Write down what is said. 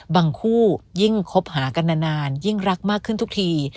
คู่ยิ่งคบหากันนานยิ่งรักมากขึ้นทุกที